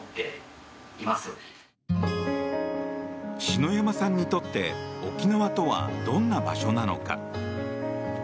篠山さんにとって沖縄とは、どんな場所なのか。